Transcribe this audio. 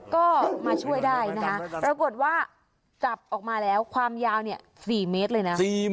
ก็มาช่วยได้นะคะปรากฏว่าจับออกมาแล้วความยาว๔เมตรเลยนะ